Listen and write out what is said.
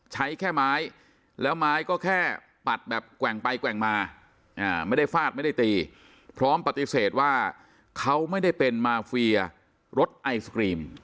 ใช้แค่ไม้แล้วไม้ก็แค่ปัดแบบแกว่งไปแกว่งมาไม่ได้ฟาดไม่ได้ตีพร้อมปฏิเสธว่าเขาไม่ได้เป็นมาเฟียรถไอศกรีม